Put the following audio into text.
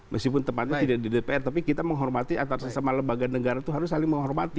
meskipun tempatnya tidak di dpr tapi kita menghormati antara sesama lembaga negara itu harus saling menghormati